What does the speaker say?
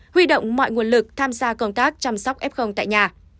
huy động mọi nguồn lực tham gia công tác chăm sóc f tại nhà